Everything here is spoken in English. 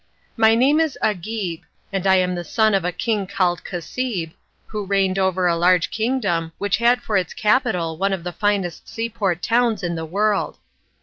My name is Agib, and I am the son of a king called Cassib, who reigned over a large kingdom, which had for its capital one of the finest seaport towns in the world.